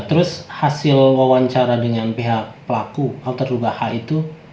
terus hasil wawancara dengan pihak pelaku atau terduga h itu